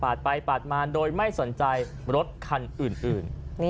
ไปปาดมาโดยไม่สนใจรถคันอื่น